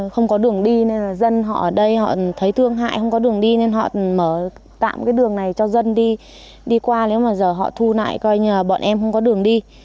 không có đường đi nên là dân họ ở đây họ thấy thương hại không có đường đi nên họ mở tạm cái đường này cho dân đi qua nếu mà giờ họ thu lại coi như là bọn em không có đường đi